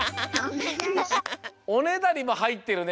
おねだりもはいってるね